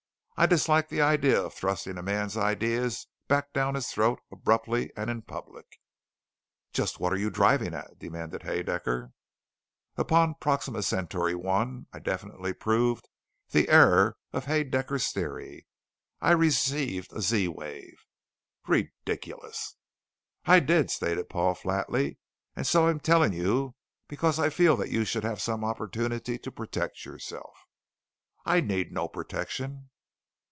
I dislike the idea of thrusting a man's ideas back down his throat abruptly and in public." "Just what are you driving at?" demanded Haedaecker. "Upon Proxima Centauri I, I definitely proved the error of Haedaecker's Theory. I received a Z wave " "Ridiculous!" "I did," stated Paul flatly. "And so I am telling you because I feel that you should have some opportunity to protect yourself." "I need no protection."